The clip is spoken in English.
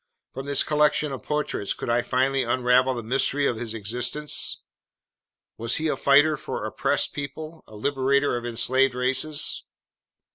From this collection of portraits could I finally unravel the mystery of his existence? Was he a fighter for oppressed peoples, a liberator of enslaved races?